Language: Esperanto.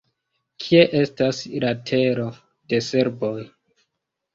Kie estas la tero de serboj?